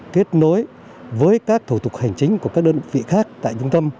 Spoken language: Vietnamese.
kết nối với các thủ tục hành chính của các đơn vị khác tại trung tâm